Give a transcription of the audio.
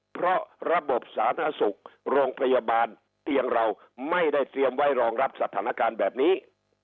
เพราะระบบสาธารณสุขโรงพยาบาลเตียงเราไม่ได้เตรียมไว้รองรับสถานการณ์แบบนี้